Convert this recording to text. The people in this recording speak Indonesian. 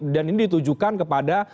dan ini ditujukan kepada